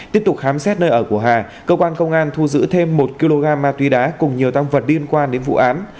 tiếp tục khám xét nơi ở của hà cơ quan công an thu giữ thêm một kg ma túy đá cùng nhiều tăng vật liên quan đến vụ án